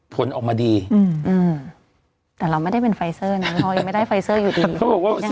ผลออกมาดีอืมแต่เราไม่ได้เป็นไฟเซอร์นะเรายังไม่ได้ไฟเซอร์อยู่ดี